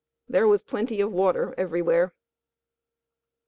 There was plenty of water everywhere.